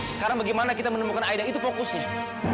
sekarang bagaimana kita menemukan aida itu fokusnya